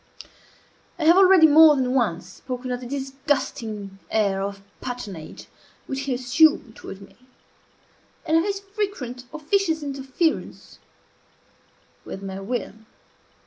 I have already more than once spoken of the disgusting air of patronage which he assumed toward me, and of his frequent officious interference with my will.